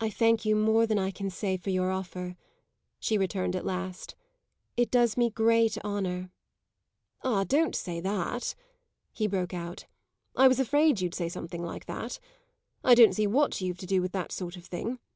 "I thank you more than I can say for your offer," she returned at last. "It does me great honour." "Ah, don't say that!" he broke out. "I was afraid you'd say something like that. I don't see what you've to do with that sort of thing.